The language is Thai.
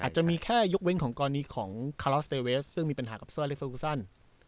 อาจจะมีแค่ยกเว้งของกรณีของคาลอสเตวิสซึ่งมีปัญหากับเสื้อเลสคอลซัน